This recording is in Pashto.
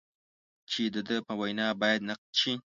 چې د ده په وینا باید نقد شي.